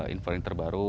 info yang terbaru